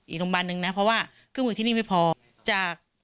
อีกโรงบานหนึ่งนะเพราะว่าคือกึ่งมาอยู่ที่นี่ไม่พอจาก